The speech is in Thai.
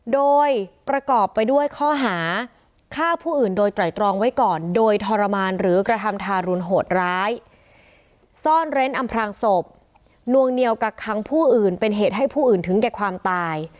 โดยประกอบไปด้วยข้อหาฆ่าผู้อื่นโดยไตรตรองไว้ก่อนโดยทรมานหรือกระทำทารุณโหดร้ายซ่อนเร้นอำพลางศพนวงเหนียวกักคังผู้อื่นเป็นเหตุให้ผู้อื่นถึงแก่ความตาย